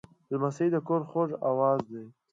لمسی د کور خوږ آواز دی.